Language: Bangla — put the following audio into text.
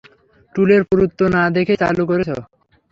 টুলের পুরুত্ব না দেখেই চালু করেছ!